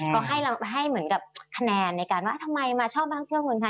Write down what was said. ก็ให้เหมือนกับคะแนนในการว่าทำไมมาชอบท่องเที่ยวคนไทย